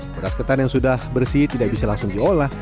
beras ketan yang sudah bersih tidak bisa langsung diolah